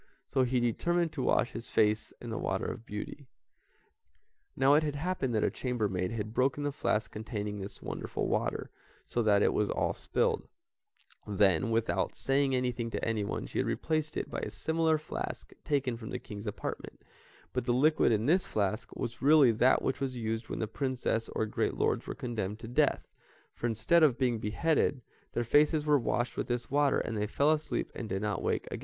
so he determined to wash his face in the water of beauty. Now it had happened that a chamber maid had broken the flask containing this wonderful water, so that it was all spilled; then, without saying anything to anyone, she had replaced it by a similar flask taken from the King's apartment, but the liquid in this flask was really that which was used when the princes or great lords were condemned to death, for, instead of being beheaded, their faces were washed with this water and they fell asleep and did not wake again.